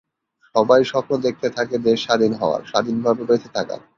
সবাই স্বপ্ন দেখতে থাকে দেশ স্বাধীন হওয়ার, স্বাধীনভাবে বেঁচে থাকার।